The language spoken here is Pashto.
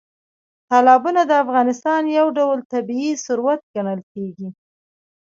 تالابونه د افغانستان یو ډول طبیعي ثروت ګڼل کېږي.